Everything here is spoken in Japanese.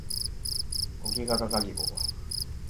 ゴギガガガギゴ